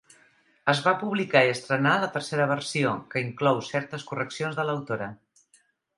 Es va publicar i estrenar la tercera versió, que inclou certes correccions de l'autora.